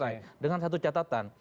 saya ingin memberikan satu catatan